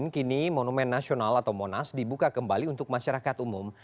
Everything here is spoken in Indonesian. kini monumen nasional atau monas dibuka kembali untuk masyarakat umum